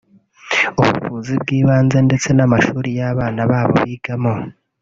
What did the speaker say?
ubuvuzi bw’ibanze ndetse n’amashuri y’abana babo bigamo